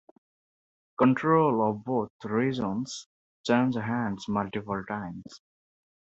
Control of both regions changed hands multiple times.